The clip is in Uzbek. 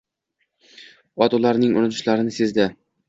Ot ularning urinishlarini sezdi